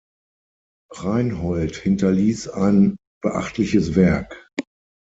Reinhold hinterließ ein beachtliches Werk.